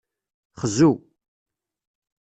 Xzu.